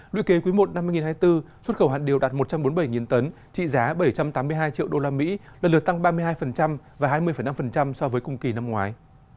luyện kế quý i năm hai nghìn hai mươi bốn xuất khẩu hạt điều đạt một trăm bốn mươi bảy tấn trị giá bảy trăm tám mươi hai triệu usd lần lượt tăng ba mươi hai và hai mươi năm so với cùng kỳ năm ngoái